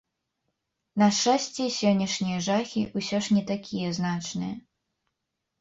На шчасце, сённяшнія жахі ўсё ж не такія значныя.